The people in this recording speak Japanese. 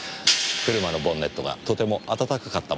車のボンネットがとても温かかったものですからねえ。